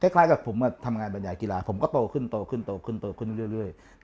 คล้ายกับผมมาทำงานบรรยายกีฬาผมก็โตขึ้นโตขึ้นโตขึ้นโตขึ้นเรื่อย